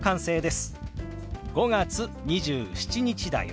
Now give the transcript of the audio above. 「５月２７日だよ」。